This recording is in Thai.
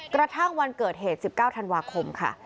กระทั่งวันเกิดเหตุ๑๙ธันวาคมค่ะ